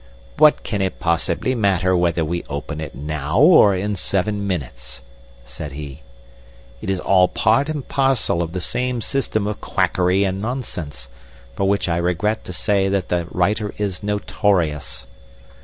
"What can it possibly matter whether we open it now or in seven minutes?" said he. "It is all part and parcel of the same system of quackery and nonsense, for which I regret to say that the writer is notorious."